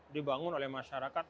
dibangun oleh masyarakat